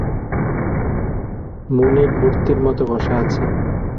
মুনির মূর্তির মতো বসে আছে।